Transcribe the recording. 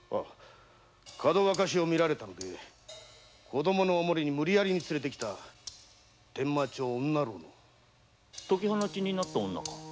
かどわかしを見られたので子供のお守りに無理やり連れて来た伝馬町の女牢の。解き放しになった女囚か？